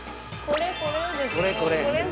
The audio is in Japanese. これこれ。